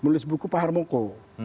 menulis buku pak harmoko